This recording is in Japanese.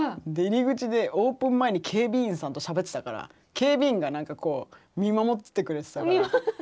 で入り口でオープン前に警備員さんとしゃべってたから警備員が見守っててくれてたから。